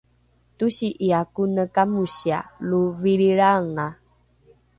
tosi’ia kone kamosia lo vilrilaenga